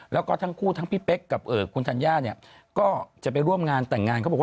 แล้วก็ทั้งคู่ทั้งพี่เป๊กกับเอ่อคุณทันย่าเนี่ยก็จะไปร่วมงานแต่งงาน